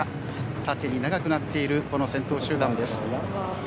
縦に長くなっているこの先頭集団です。